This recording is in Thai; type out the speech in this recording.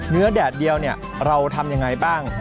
เนื้อแดดเดียวเราทำอย่างไรบ้าง